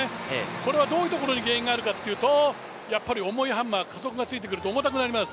これはどういうところに原因があるかというと、重いハンマーは加速がついてくると重たくなります。